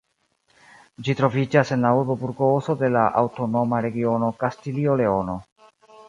Ĝi troviĝas en la urbo Burgoso de la aŭtonoma regiono Kastilio-Leono.